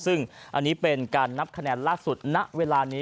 ซึ่งอันนี้เป็นการนับคะแนนล่าสุดณเวลานี้